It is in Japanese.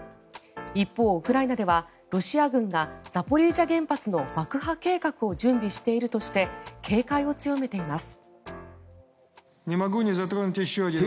一方、ウクライナではロシア軍がザポリージャ原発の爆破計画を準備しているとして警戒を強めています。